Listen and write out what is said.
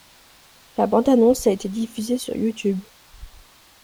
La bande-annonce a été diffusée sur YouTube.